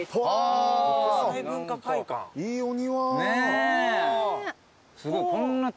いいお庭。